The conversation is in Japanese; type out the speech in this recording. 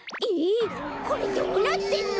これどうなってんの？